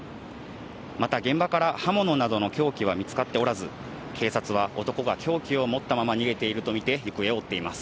また、現場から刃物などの凶器は見つかっておらず、警察は男が凶器を持ったまま逃げていると見て行方を追っています。